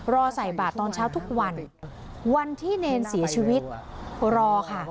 ใส่บาทตอนเช้าทุกวันวันที่เนรเสียชีวิตรอค่ะ